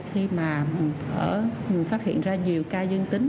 khi mà phát hiện ra nhiều ca dương tính